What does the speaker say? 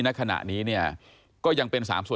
ในขณะนี้เนี่ยก็ยังเป็น๓ส่วน